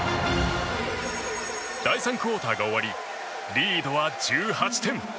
第３クオーターが終わりリードは１８点。